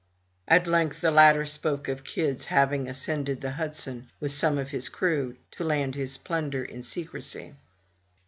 At length the latter spoke of Kidd's having ascended the Hudson with some of his crew to land his plunder in secrecy.